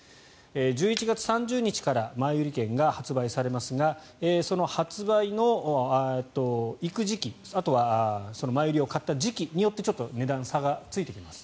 １１月３０日から前売り券が発売されますがその発売の、行く時期あとは前売りを買った時期によってちょっと値段の差がついてきます。